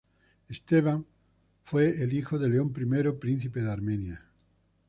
Esteban fue el hijo de León I, príncipe de Armenia.